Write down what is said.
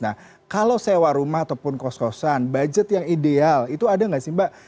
nah kalau sewa rumah ataupun kos kosan budget yang ideal itu ada nggak sih mbak